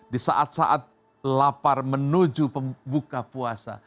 di saat saat lapar menuju pembuka puasa